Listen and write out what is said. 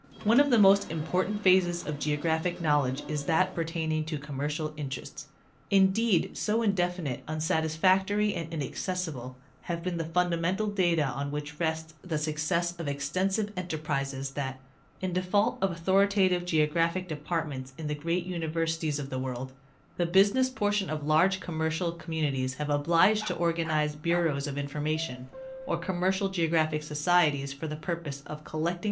One of the most important phases of geographic knowledge is that pertaining to commercial interests. Indeed, so indefinite, unsatisfactory and inaccessible have been the fundamental data on which rest the success of extensive enterprises that, in default of authoritative geographic departments in the great universities of the world, the business portion of large commercial communi ties have been obliged to organize bureaus of information or commercial geographic societies for the purpose of collecting t!.